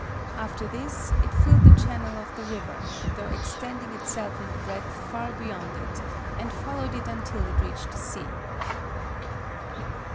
After this, it filled the channel of the river, though extending itself in breadth far beyond it, and followed it until it reached the sea.